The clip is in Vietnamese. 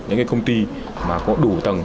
những công ty có đủ tầng